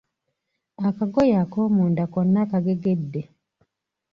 Akagoye akomunda konna kagegedde.